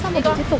cô gái lạ mặt